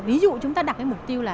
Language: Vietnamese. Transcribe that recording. ví dụ chúng ta đạt cái mục tiêu là